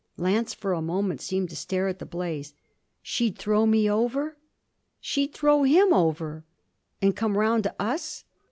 Lance for a moment seemed to stare at the blaze. 'She'd throw me over?' 'She'd throw him over.' 'And come round to us?'